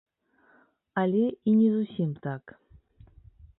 Але і не зусім так.